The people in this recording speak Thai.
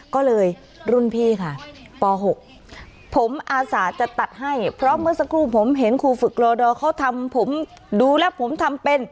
ก็เลยรุ่นพี่ค่ะป๖ผมอาสาจะตัดให้เพราะเมื่อสักครู่ผมเห็นครูฝึกรอดอเขาทำผมดูแล้วผมทำเป็น